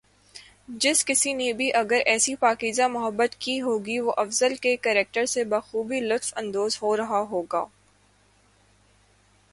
جس کسی نے بھی اگر ایسی پاکیزہ محبت کی ہوگی وہ افضل کے کریکٹر سے بخوبی لطف اندوز ہو رہا ہوگا